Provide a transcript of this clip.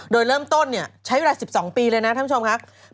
โดยเริ่มต้นใช้เวลา๑๒ปีเลยนะท่านผู้ชมครับ